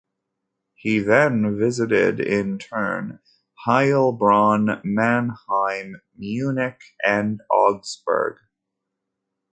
He then visited in turn Heilbronn, Mannheim, Munich and Augsburg.